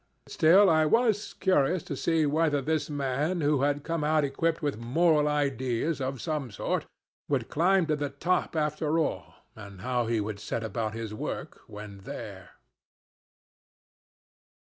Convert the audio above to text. Still, I was curious to see whether this man, who had come out equipped with moral ideas of some sort, would climb to the top after all, and how he would set about his work when there."